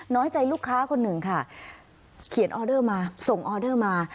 น้อยใจลูกค้าคนหนึ่งค่ะเขียนออเดอร์มาส่งออเดอร์มา